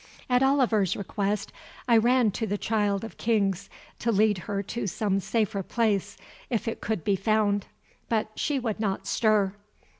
At Oliver's request I ran to the Child of Kings to lead her to some safer place, if it could be found. But she would not stir.